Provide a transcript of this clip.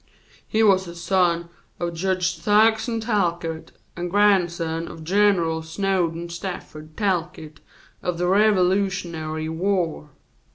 He was a son of Jedge Thaxton Talcott, and grandson of General Snowden Stafford Talcott of the Revolutionary War.